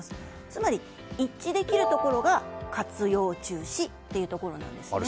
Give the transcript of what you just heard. つまり、一致できるところが活用中止というところなんですね。